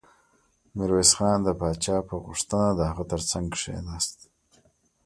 ميرويس خان د پاچا په غوښتنه د هغه تر څنګ کېناست.